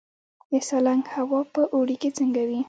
د سالنګ هوا په اوړي کې څنګه وي؟